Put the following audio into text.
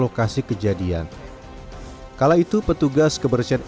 berdasarkan keterangan warga sempat tercium bau tidak sedap di sebuah rumah